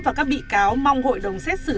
và các bị cáo mong hội đồng xét xử